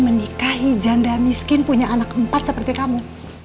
menikahi janda miskin punya anak empat seperti kamu